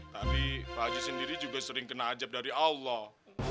tapi pak haji sendiri juga sering kena ajab dari allah